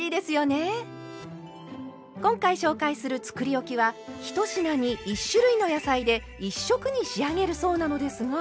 今回紹介するつくりおきは１品に１種類の野菜で１色に仕上げるそうなのですが。